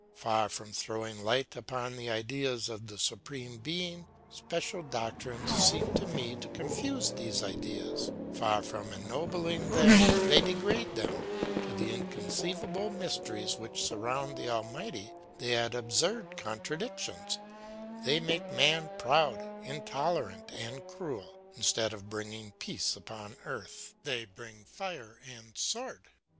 Far from throwing light upon the ideas of the Supreme Being, special doctrines seem to me to confuse these ideas; far from ennobling them, they degrade them; to the inconceivable mysteries which surround the Almighty, they add absurd contradictions, they make man proud, intolerant, and cruel; instead of bringing peace upon earth, they bring fire and sword.